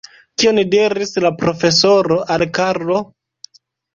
Kion diris la profesoro al Karlo?